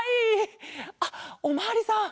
あっおまわりさん。